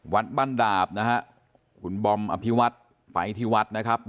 วัดบ้านดาบนะฮะคุณบอมอภิวัฒน์ไปที่วัดนะครับ